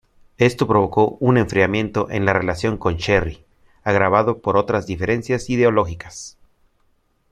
Esto provocó un enfriamiento en la relación con Sherry, agravado por otras diferencias ideológicas.